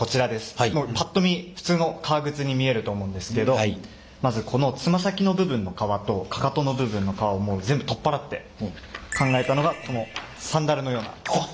パッと見普通の革靴に見えると思うんですけどまずこのつま先の部分の革とかかとの部分の革を全部取っ払って考えたのがこのサンダルのような。